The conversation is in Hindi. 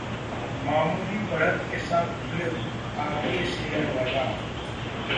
मामूली बढ़त के साथ खुले भारतीय शेयर बाजार